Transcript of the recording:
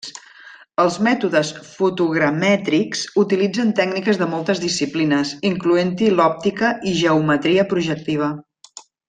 Els mètodes fotogramètrics utilitzen tècniques de moltes disciplines incloent-hi l'òptica i geometria projectiva.